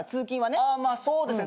あっまあそうですね。